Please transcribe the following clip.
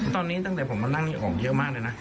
ตอนนี้ตั้งแต่ผมมานั่งนี่ผมเยอะมากเลยนะ